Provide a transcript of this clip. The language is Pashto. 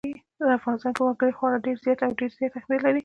په افغانستان کې وګړي خورا ډېر او ډېر زیات اهمیت لري.